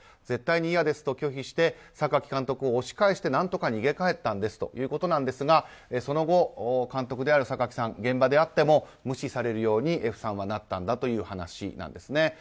絶対に嫌ですと拒否して榊監督を押し返して何とか逃げ帰ったんですということですがその後、監督である榊さんに現場で会っても無視されるようにＦさんはなったんだということです。